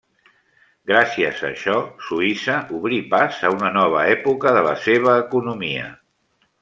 Gràcies a això Suïssa obrí pas a una nova època de la seva economia.